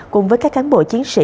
cùng với các cán bộ chiến sĩ